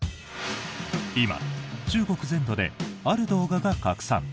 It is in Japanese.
今、中国全土である動画が拡散。